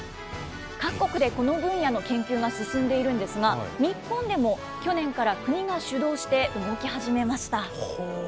各国でこの分野の研究が進んでいるんですが、日本でも去年から国が主導して動き始めました。